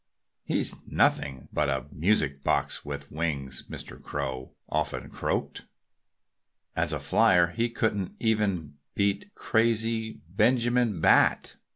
"He's nothing but a music box with wings," Mr. Crow often croaked. "As a flier he couldn't even beat crazy Benjamin Bat."